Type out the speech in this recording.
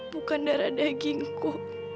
bukan darah dagingku